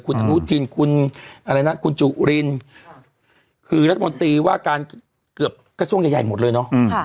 คุณอาหนูธินคุณจุรินคือรัฐบนตรีว่าการเกือบกล้าส่วนใหญ่หละ